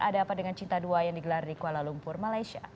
ada apa dengan cinta dua yang digelar di kuala lumpur malaysia